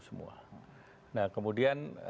semua nah kemudian